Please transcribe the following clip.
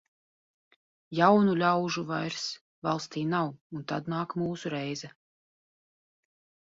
Jaunu ļaužu vairs valstī nav, un tad nāk mūsu reize.